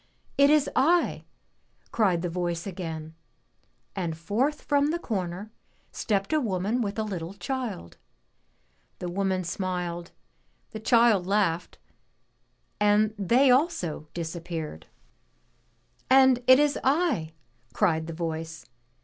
"It is I!" cried the voice again, and forth from the comer stepped a woman with a Httle child. The woman if smiled, the child laughed, and they also disappeared. And it is I!" cried the voice.